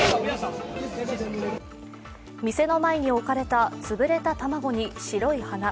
店の前に置かれた潰れた卵に白い花。